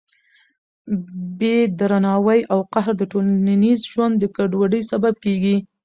بې درناوي او قهر د ټولنیز ژوند د ګډوډۍ سبب کېږي.